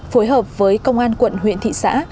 phối hợp với công an quận huyện thị xã